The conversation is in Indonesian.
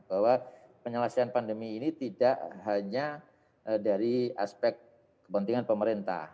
bahwa penyelesaian pandemi ini tidak hanya dari aspek kepentingan pemerintah